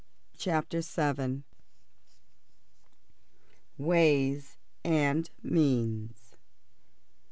CHAPTER VI. WAYS AND MEANS.